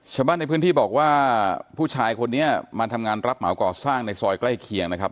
ชาวบ้านในพื้นที่บอกว่าผู้ชายคนนี้มาทำงานรับเหมาก่อสร้างในซอยใกล้เคียงนะครับ